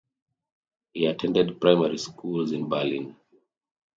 He attended primary schools in Berlin.